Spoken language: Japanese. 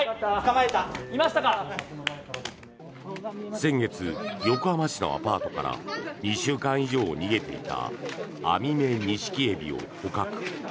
先月、横浜市のアパートから２週間以上逃げていたアミメニシキヘビを捕獲。